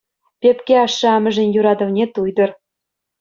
Пепке ашшӗ-амӑшӗн юратӑвне туйтӑр.